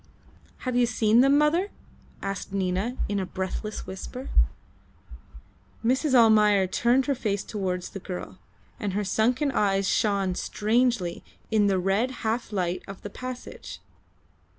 "Have you seen them, mother?" asked Nina, in a breathless whisper. Mrs. Almayer turned her face towards the girl, and her sunken eyes shone strangely in the red half light of the passage.